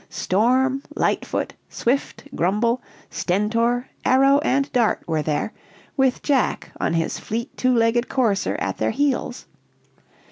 Storm, Lightfoot, Swift, Grumble, Stentor, Arrow and Dart were there, with Jack, on his fleet two legged courser, at their heels.